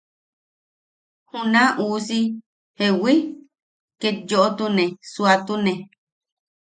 Juna uusi ¿jewi? ket yoʼotune, suatune.